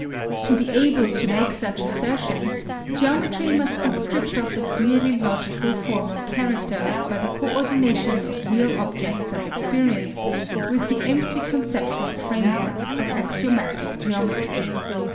To be able to make such assertions, geometry must be stripped of its merely logical formal character by the co ordination of real objects of experience with the empty conceptual frame work of axiomatic geometry.